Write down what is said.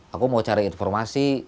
aku mau cari informasi